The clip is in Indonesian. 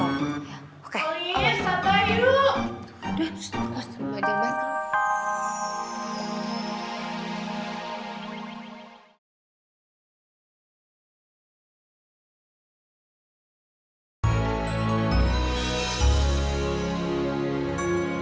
olin santai dulu